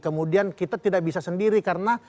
kemudian kita tidak bisa sendiri karena